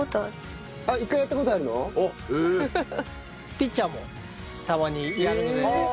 ピッチャーもたまにやるので。